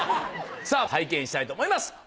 さあ拝見したいと思います。